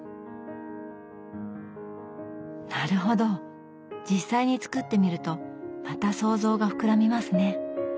なるほど実際に作ってみるとまた想像が膨らみますね。